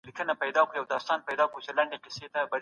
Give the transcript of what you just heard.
د ځای په لحاظ څېړنه جلا ډولونه لري.